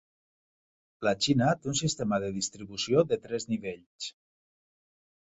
La Xina té un sistema de distribució de tres nivells.